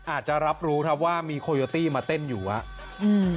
อาจจะรับรู้ครับว่ามีโคโยตี้มาเต้นอยู่อ่ะอืม